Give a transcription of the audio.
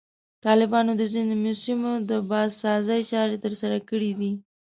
طالبانو د ځینو سیمو د بازسازي چارې ترسره کړي دي.